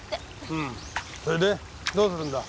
うんそれでどうするんだ？